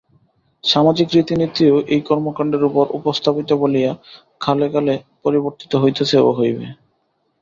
সামাজিক রীতিনীতিও এই কর্মকাণ্ডের উপর উপস্থাপিত বলিয়া কালে কালে পরিবর্তিত হইতেছে ও হইবে।